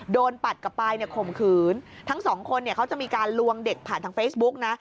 ปัดกลับไปเนี่ยข่มขืนทั้งสองคนเนี่ยเขาจะมีการลวงเด็กผ่านทางเฟซบุ๊กนะ